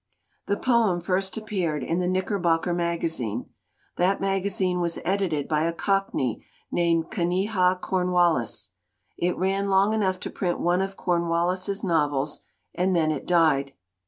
4 'The poem first appeared in the Knickerbocker Magazine. That magazine was edited by a Cock ney named Kinneha Cornwallis. It ran long enough to print one of Cornwallis's novels, and then it died.